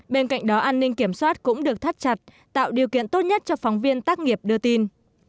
bên cạnh đó an ninh kiểm soát cũng được thắt chặt tạo điều kiện tốt nhất cho phóng viên tác nghiệp đưa tin